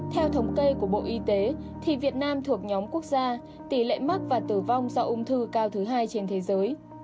theo thống kê của bộ y tế thì việt nam thuộc nhóm quốc gia tỷ lệ mắc và tử vong do ung thư cao thứ hai trên thế giới